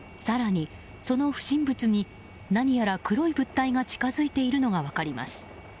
更に、その不審物に何やら黒い物体が近づいているのが分かります。